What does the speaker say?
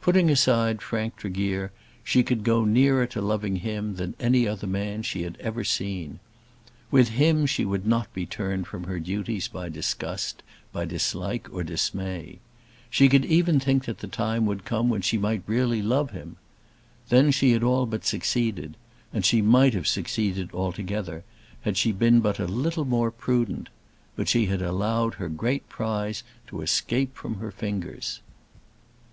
Putting aside Frank Tregear she could go nearer to loving him than any other man she had ever seen. With him she would not be turned from her duties by disgust, by dislike, or dismay. She could even think that the time would come when she might really love him. Then she had all but succeeded, and she might have succeeded altogether had she been but a little more prudent. But she had allowed her great prize to escape from her fingers.